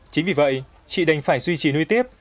chính vì vậy chị đành phải duy trì nuôi tiếp